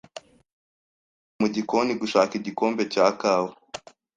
yagiye mu gikoni gushaka igikombe cya kawa.